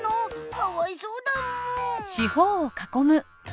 かわいそうだむ。